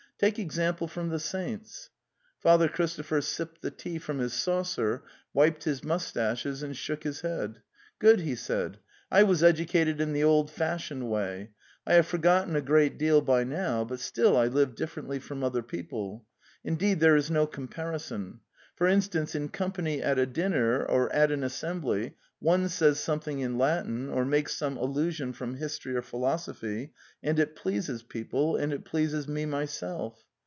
'Take example from the saints." Father Christopher sipped the tea from his saucer, wiped his moustaches, and shook his head. "Good!" he said. ''I was educated in the old fashioned way; I have forgotten a great deal by now, but still I live differently from other people. In deed, there is no comparison. For instance, in com pany at a dinner, or at an assembly, one says some thing in Latin, or makes some allusion from history or philosophy, and it pleases people, and it pleases me myself.